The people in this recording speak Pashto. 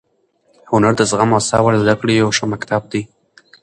هنر د زغم او صبر د زده کړې یو ښه مکتب دی.